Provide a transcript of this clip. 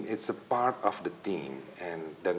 itu adalah bagian dari tim